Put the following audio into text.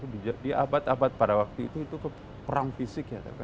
di abad abad pada waktu itu itu perang fisik ya